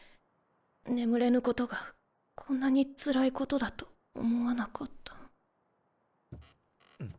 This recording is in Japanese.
眠れぬことがこんなにつらいことだと思わなかった。